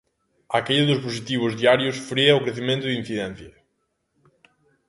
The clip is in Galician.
A caída dos positivos diarios frea o crecemento da incidencia.